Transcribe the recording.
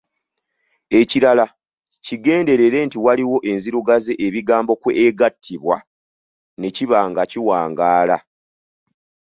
Ekirala, kigenderere nti waliwo enzirugaze ebigambo kw'egattibwa ne kiba nga kiwangaala.